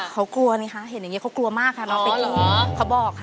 เขากลัวไงคะเห็นอย่างนี้เขากลัวมากค่ะน้องเป๊กเขาบอกค่ะ